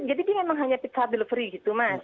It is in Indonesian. jadi dia memang hanya pick up delivery gitu mas